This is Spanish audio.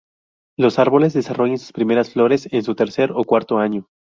Los árboles desarrollan sus primeras flores en su tercer o cuarto año.